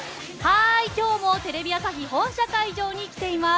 今日もテレビ朝日本社会場に来ています！